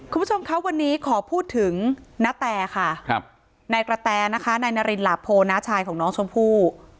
คุณผู้ชมคะวันนี้ขอพูดถึงณแตค่ะนายกระแตนะคะนายนารินหลาโพน้าชายของน้องชมพู่